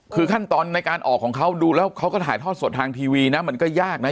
คือขั้นตอนในการออกของเขาดูแล้วเขาก็ถ่ายทอดสดทางทีวีนะมันก็ยากนะ